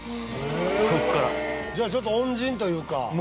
じゃあちょっと恩人というか？